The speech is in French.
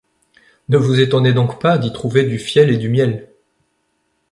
Ne vous étonnez donc pas d'y trouver du fiel et du miel.